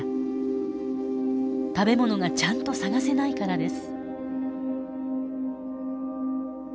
食べ物がちゃんと探せないからです。